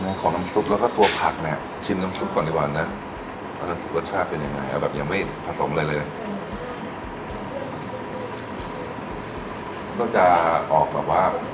เวลาทานเฟ้อให้ถูกต้องอย่างไรครับ